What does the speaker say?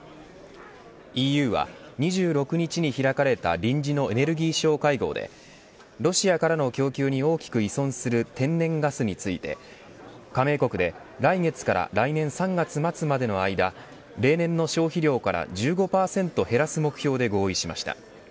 ＥＵは、２６日に開かれた臨時のエネルギー相会合でロシアからの供給に大きく依存する天然ガスについて加盟国で、来月から来年３月末までの間例年の消費量から１５％減らす目標で合意しました。